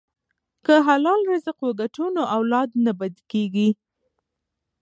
که حلال رزق وګټو نو اولاد نه بد کیږي.